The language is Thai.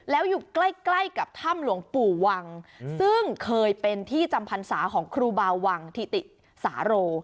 แล้วอยู่ใกล้ใกล้กับถ้ำหลวงปู่วังซึ่งเคยเป็นที่จำพรรษาของครูบาวังทิติสาโร